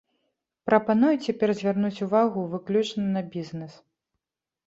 Прапаную цяпер звярнуць увагу выключна на бізнес.